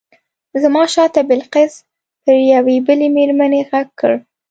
زما شاته بلقیس پر یوې بلې مېرمنې غږ کړ.